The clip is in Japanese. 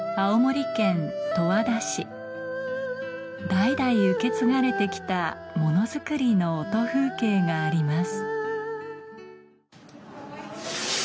代々受け継がれてきた物作りの音風景があります